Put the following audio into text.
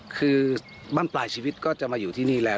คือบ้านปลายชีวิตก็จะมาอยู่ที่นี่แล้ว